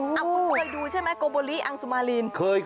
คุณเคยดูใช่ไหมโกโบลิอังสุมาลีน